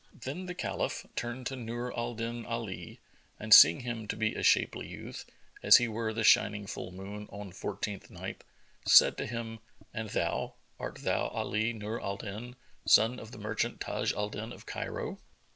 Then the Caliph turned to Nur al Din Ali and seeing him to be a shapely youth, as he were the shining full moon on fourteenth night, said to him, "And thou, art thou Ali Nur al Din, son of the merchant Taj al Din of Cairo?"